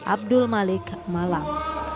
abdul malik malam